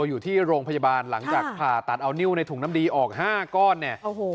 อยู่ที่โรงพยาบาลหลังจากผ่าตัดเอานิ้วในถุงน้ำดีออก๕ก้อนเนี่ยโอ้โห